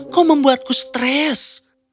kau membuatku stres